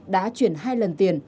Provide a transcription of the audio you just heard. đã chuyển hai lần tiền